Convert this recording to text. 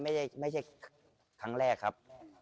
ไม่ใช่ครั้งแรกครับ